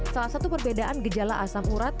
salah satu perbedaan gejala asam urat